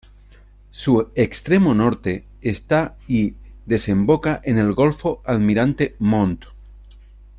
Su extremo norte está en y desemboca en el golfo Almirante Montt.